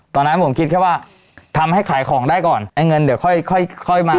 ตอนนั้นผมคิดแค่ว่าทำให้ขายของได้ก่อนไอ้เงินเดี๋ยวค่อยค่อยมา